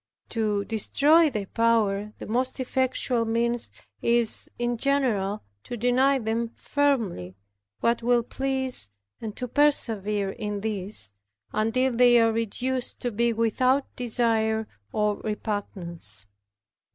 To destroy their power, the most effectual means is, in general, to deny them firmly what will please, and to persevere in this, until they are reduced to be without desire or repugnance.